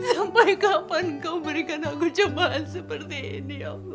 sampai kapan kau berikan aku jembal seperti ini ya allah